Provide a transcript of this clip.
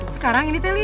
sekarang ini teli